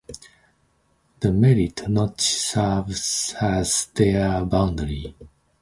The Metis notch serves as their boundary.